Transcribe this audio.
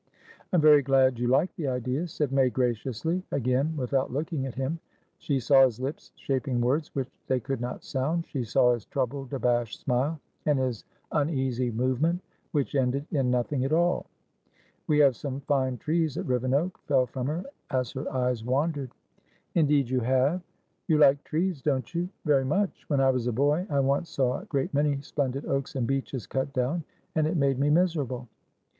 "I'm very glad you like the idea," said May, graciously. Againwithout looking at himshe saw his lips shaping words which they could not sound; she saw his troubled, abashed smile, and his uneasy movement which ended in nothing at all. "We have some fine trees at Rivenoak," fell from her, as her eyes wandered. "Indeed you have!" "You like trees, don't you?" "Very much. When I was a boy, I once saw a great many splendid oaks and beeches cut down, and it made me miserable."